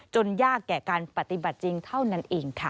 ยากแก่การปฏิบัติจริงเท่านั้นเองค่ะ